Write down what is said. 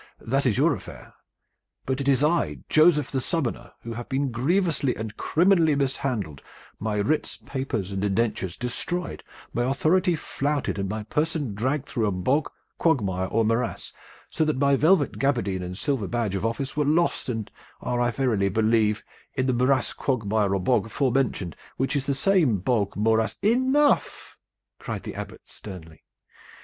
That is your affair; but it is I, Joseph the summoner, who have been grievously and criminally mishandled, my writs, papers and indentures destroyed, my authority flouted, and my person dragged through a bog, quagmire or morass, so that my velvet gabardine and silver badge of office were lost and are, as I verily believe, in the morass, quagmire or bog aforementioned, which is the same bog, morass " "Enough!" cried the Abbot sternly.